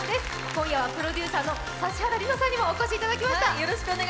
今夜はプロデューサーの指原莉乃さんにもお越しいただきました。